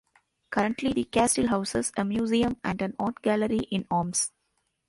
Currently the castle houses a museum and an art gallery in arms.